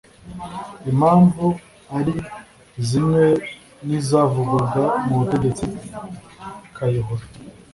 impamvu ari zimwe n’izavugwaga mu butegetsi kayihura